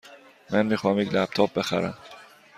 من می خواهم یک لپ تاپ بخرم.